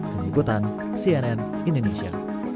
dengan ikutan cnn indonesia